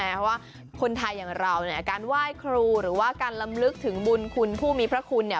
เพราะว่าคนไทยอย่างเราเนี่ยการไหว้ครูหรือว่าการลำลึกถึงบุญคุณผู้มีพระคุณเนี่ย